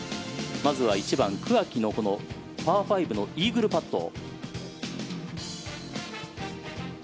まずは１番、桑木のパー５のイーグルパット。